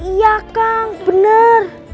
iya kang benar